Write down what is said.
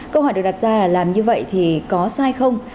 câu hỏi được đặt ra là làm như vậy thì có sai không